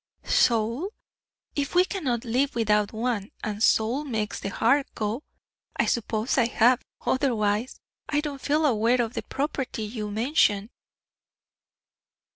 "Soul? If we cannot live without one, and soul makes the heart go, I suppose I have; otherwise, I don't feel aware of the property you mention."